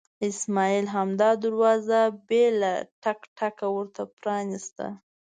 اسماعیل همدا دروازه بې له ټک ټکه ورته پرانستله.